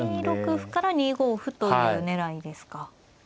２六歩から２五歩という狙いですか。